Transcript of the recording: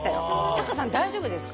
貴さん大丈夫ですか？